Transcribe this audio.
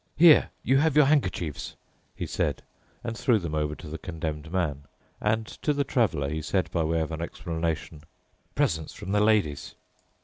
"Here you have your handkerchiefs," he said and threw them over to the Condemned Man. And to the Traveler he said by way of an explanation, "Presents from the ladies."